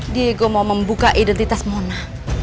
diego mau membuka identitas mona